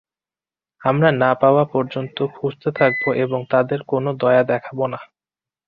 আমরা না পাওয়া পর্যন্ত খুঁজতে থাকবো এবং তাদের কোন দয়া দেখাবো না।